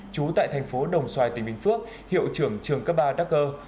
chú tại thành phố đồng xoài tỉnh bình phước hiệu trưởng trường cấp ba đắc ơ